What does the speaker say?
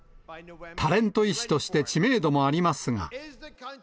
タレント医師として知名度もありますが。